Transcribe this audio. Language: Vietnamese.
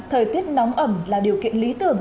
thời tiết nóng ẩm là điều kiện lý tưởng